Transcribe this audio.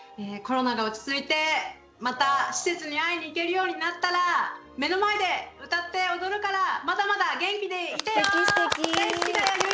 コロナが落ち着いてまた施設に会いに行けるようになったら目の前で歌って踊るからまだまだ元気でいてよ！